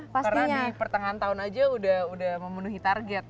karena di pertengahan tahun saja sudah memenuhi target